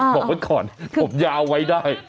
บอกไว้ก่อนผมยาวไว้ได้